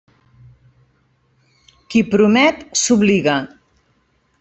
Qui promet, s'obliga.